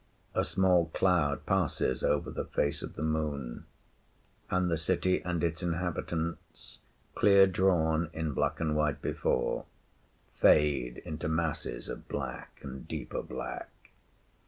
A small cloud passes over the face of the Moon, and the city and its inhabitants clear drawn in black and white before fade into masses of black and deeper black.